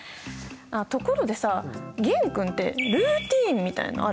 あっところでさ玄君ってルーティーンみたいのある？